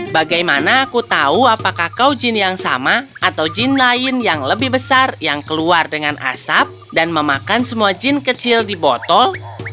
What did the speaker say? bagaimana aku tahu apakah kau jin yang sama atau jin lain yang lebih besar yang keluar dengan asap dan memakan semua jin kecil di botol